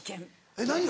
えっ何が？